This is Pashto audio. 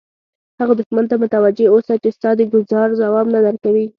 هغه دښمن ته متوجه اوسه چې ستا د ګوزار ځواب نه درکوي.